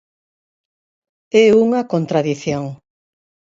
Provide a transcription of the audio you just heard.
É unha contradición.